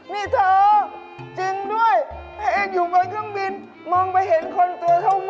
นี่เธอจริงด้วยตัวเองอยู่บนเครื่องบินมองไปเห็นคนตัวเท่าไว